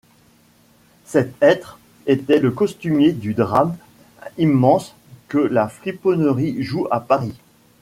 Cet être était le costumier du drame immense que la friponnerie joue à Paris.